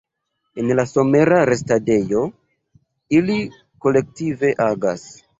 En la somera restadejo ili kolektive agas.